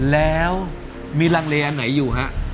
แล้วมีรังเลอันไหนอยู่ฮะ